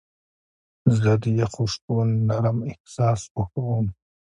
زه د یخو شپو نرم احساس خوښوم.